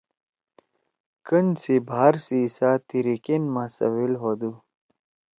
کن سی باہر سی حصّہ تِریِگین ما سیویل ہودُو۔